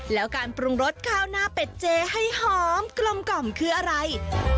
แล้วการปรุงรสข้าวหน้าเป็ดเจให้หอมกลมกล่อมคืออะไร